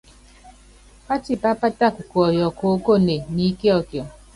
Pátipá pátaka kuɔyɔ koókone ni íkiɔkiɔ.